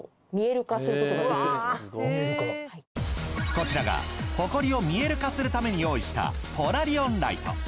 こちらがホコリを見える化するために用意したポラリオンライト。